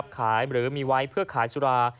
หรือมีไว้เพื่อขายสุรา